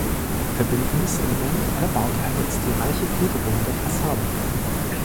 Verbindendes Element aller Bauteile ist die reiche Gliederung der Fassaden.